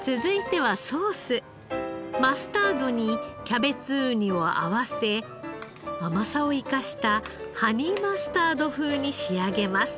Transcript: マスタードにキャベツウニを合わせ甘さを生かしたハニーマスタード風に仕上げます。